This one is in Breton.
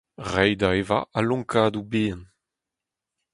Reiñ da evañ a-lonkadoù bihan.